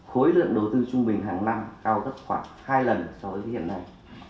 khối lượng đầu tư trung bình hàng năm cao gấp khoảng hai lần so với hiện nay